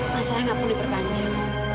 masalah gak perlu diperbanjir